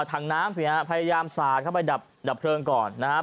อ่าถังพยายามสานะคะไปดับดับเพลิงก่อนนะฮะ